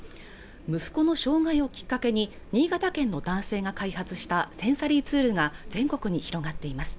息子の障害をきっかけに新潟県の男性が開発したセンサリーツールが全国に広がっています